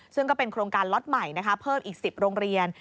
ซึ่งก็เป็นโครงการล็อตใหม่เพิ่มอีก๑๐โรงเรียน